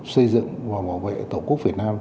xây dựng và bảo vệ tổ quốc việt nam